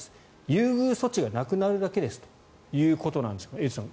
優遇措置がなくなるだけですということなんですがエイトさん